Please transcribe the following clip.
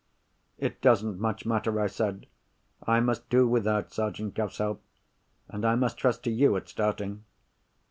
"It doesn't much matter," I said. "I must do without Sergeant Cuff's help. And I must trust to you, at starting."